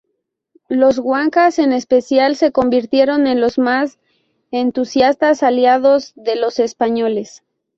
Los huancas, en especial, se convirtieron en los más entusiastas aliados de los españoles.